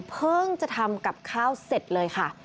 เพิ่งจะทำกับข้าวเสร็จเลยค่ะ